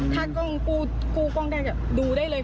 ถ้ากล้องกู้กล้องแดงดูได้เลยค่ะ